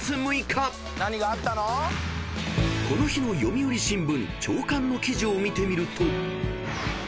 ［この日の読売新聞朝刊の記事を見てみると］